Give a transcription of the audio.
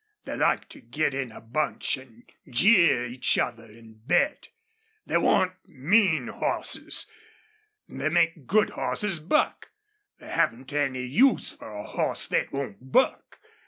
They like to get in a bunch an' jeer each other an' bet. They want MEAN hosses. They make good hosses buck. They haven't any use for a hoss thet won't buck.